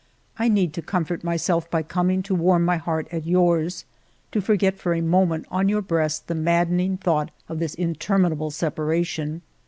I need to comfort myself by coming to warm my heart at yours; to forget for a moment on your breast the maddening thought of this interminable separation.